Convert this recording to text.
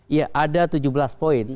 ya ada tujuh belas poin